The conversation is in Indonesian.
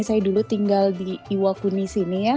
saya dulu tinggal di iwakuni sini ya